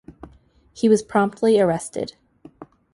He was promptly arrested.